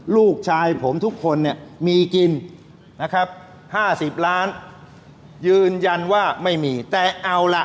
ลูกชายผมทุกคนเนี่ยมีกินนะครับห้าสิบล้านยืนยันว่าไม่มีแต่เอาล่ะ